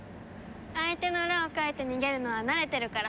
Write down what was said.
相手の裏をかいて逃げるのは慣れてるから。